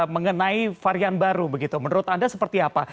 mengenai varian baru begitu menurut anda seperti apa